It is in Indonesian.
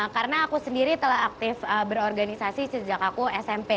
karena aku sendiri telah aktif berorganisasi sejak aku smp